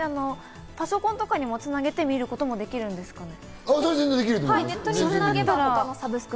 パソコンにつなげてみることもできるんですかね？